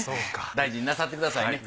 大事になさってくださいね。